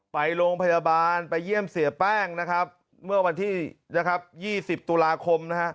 ไปโรงพยาบาลไปเยี่ยมเสียแป้งเมื่อวันที่๒๐ตุลาคม